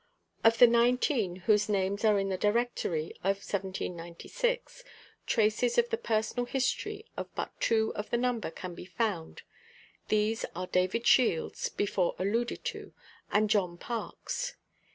Of the nineteen whose names are in the Directory of 1796, traces of the personal history of but two of the number can be found: these are David Shields, before alluded to, and John Parks.